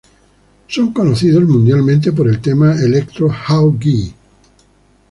Son conocidos mundialmente por el tema electro "How Gee".